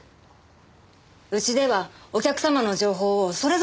うちではお客様の情報をそれぞれ管理してます。